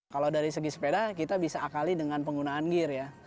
kalau dari segi sepeda kita bisa akali dengan penggunaan gear ya